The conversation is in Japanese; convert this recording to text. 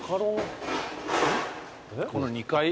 この２階？